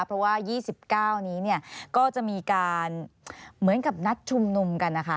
เพราะว่า๒๙นี้ก็จะมีการเหมือนกับนัดชุมนุมกันนะคะ